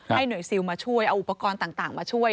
หน่วยซิลมาช่วยเอาอุปกรณ์ต่างมาช่วย